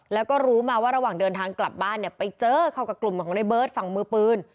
แล้วก็รู้มาว่าระหว่างเดินทางกลับบ้านเนี่ยไปเจอเขากับกลุ่มของในเบิร์ตฝั่งมือปืน